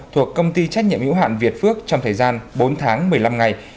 thuộc công ty trách nhiệm hữu hạn việt phước trong thời gian bốn tháng một mươi năm ngày